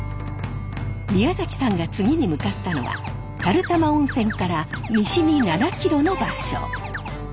宮崎さんが次に向かったのは垂玉温泉から西に７キロの場所。